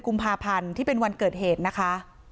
กุมภาพันธ์ที่เป็นวันเกิดเหตุนะคะ